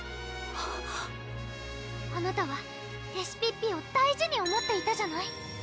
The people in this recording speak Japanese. あなたはレシピッピを大事に思っていたじゃない？